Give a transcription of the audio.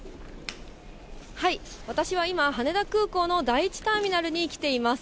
私は今、羽田空港の第１ターミナルに来ています。